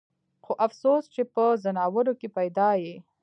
خو افسوس چې پۀ ځناورو کښې پېدا ئې